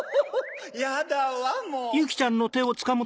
やだわもう。